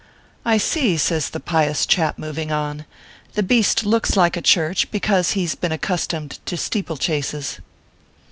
" I see," says the pious chap, moving on ;" the beast looks like a church, because he s been accus tomed to steeple chases."